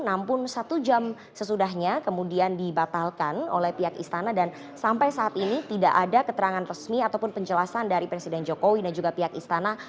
namun satu jam sesudahnya kemudian dibatalkan oleh pihak istana dan sampai saat ini tidak ada keterangan resmi ataupun penjelasan dari presiden jokowi dan juga pihak istana